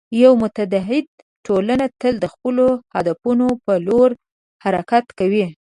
یوه متعهد ټولنه تل د خپلو هدفونو په لور حرکت کوي.